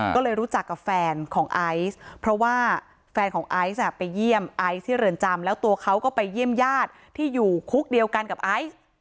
ก็เลยรู้จักกับแฟนของไอซ์เพราะว่าแฟนของไอซ์ไปเยี่ยมไอซ์ที่เรือนจำแล้วตัวเขาก็ไปเยี่ยมญาติที่อยู่คุกเดียวกันกับไอซ์